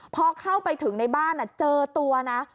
พอเข้าไปถึงในบ้านเจอตัวนะ